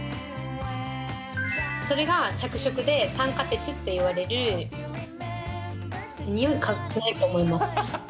それが着色で、酸化鉄って言われる、においはないと思います。